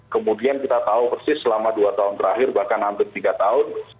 kemudian kita tahu persis selama dua tahun terakhir bahkan hampir tiga tahun